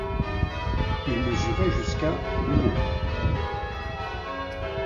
Il mesurait jusqu'à de long.